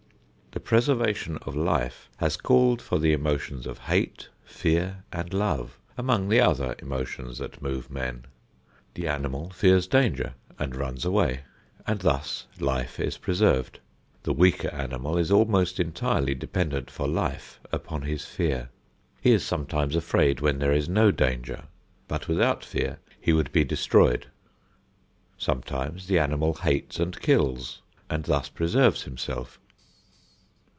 The preservation of life has called for the emotions of hate, fear and love, among the other emotions that move men. The animal fears danger and runs away, and thus life is preserved. The weaker animal is almost entirely dependent for life upon his fear. He is sometimes afraid when there is no danger, but without fear he would be destroyed. Sometimes the animal hates and kills and thus preserves himself.